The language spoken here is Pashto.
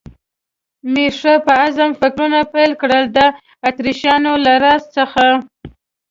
مې ښه په عزم فکرونه پیل کړل، د اتریشیانو له راز څخه.